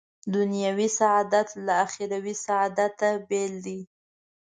دنیوي سعادت له اخروي سعادته بېل دی.